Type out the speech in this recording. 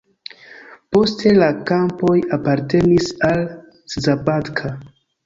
Poste la kampoj apartenis al Szabadka.